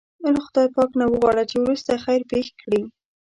له خدای پاک نه وغواړه چې وروسته خیر پېښ کړي.